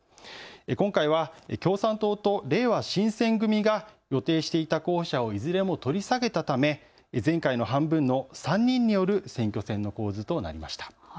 今回は共産党とれいわ新選組が予定していた候補者をいずれも取り下げたため前回の半分の３人による選挙戦の構図となりました。